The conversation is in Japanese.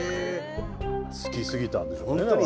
好きすぎたんでしょうねだから。